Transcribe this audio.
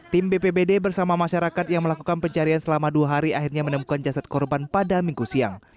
tim bpbd bersama masyarakat yang melakukan pencarian selama dua hari akhirnya menemukan jasad korban pada minggu siang